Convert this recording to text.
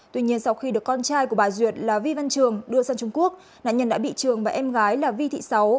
tuy nhiên sau khi được con trai của bà duyệt là vi văn trường đưa sang trung quốc nạn nhân đã bị trường và em gái là vi thị sáu